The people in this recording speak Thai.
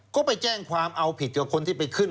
ก็ไปแจ้งความเอาผิดกับคนที่ไปขึ้น